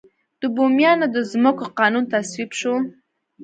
د بوميانو د ځمکو قانون تصویب شو.